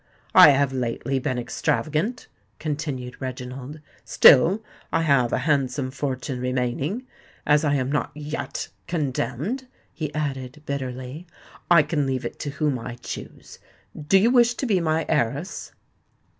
"I have lately been extravagant," continued Reginald: "still I have a handsome fortune remaining. As I am not yet condemned," he added bitterly, "I can leave it to whom I choose. Do you wish to be my heiress?"